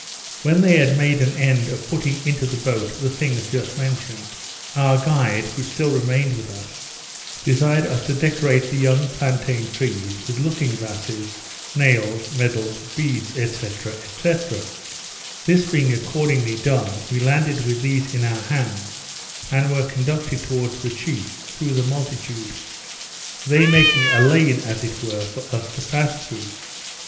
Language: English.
When they had made an end of putting into the boat the things just mentioned, our guide, who still remained with us, desired us to decorate the young plaintain trees with looking glasses, nails, medals, beads, &c. &c. This being accordingly done, we landed with these in our hands, and were conducted towards the chief, through the multitude; they making a lane, as it were, for us to pass through.